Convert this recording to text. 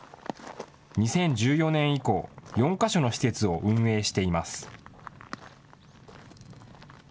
２０１４年以降、４か所の施設を運営しています。